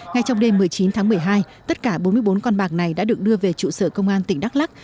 ngay trong đêm một mươi chín tháng một mươi hai tất cả bốn mươi bốn con bạc này đã được đưa về trụ sở công an tỉnh đắk lắc